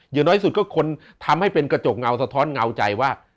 อย่างน้อยสุดก็คนทำให้เป็นกระจกเงาสะท้อนเงาใจว่า